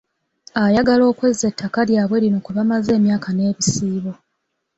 Ayagala okwezza ettaka lyabwe lino kwe bamaze emyaka n’ebisiibo.